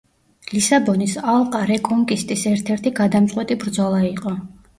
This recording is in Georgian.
ლისაბონის ალყა რეკონკისტის ერთ-ერთი გადამწყვეტი ბრძოლა იყო.